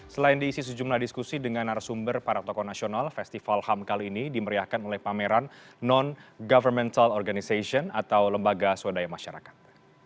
selain diisi sejumlah diskusi dengan narasumber para tokoh nasional festival ham kali ini dimeriahkan oleh pameran non governmental organization atau lembaga swadaya masyarakat